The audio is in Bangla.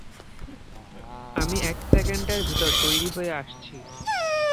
আমি এক সেকেন্ডের ভিতর তৈরি হয়ে আসছি।